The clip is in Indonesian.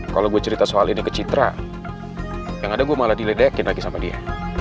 kalau gue cerita soal ini ke citra yang ada gue malah diledekin lagi sama dia